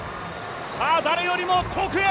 さあ、誰よりも遠くへ！